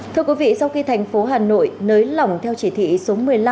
thưa quý vị sau khi thành phố hà nội nới lỏng theo chỉ thị số một mươi năm